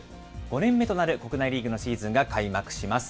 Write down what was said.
５年目となる国内リーグのシーズンが開幕します。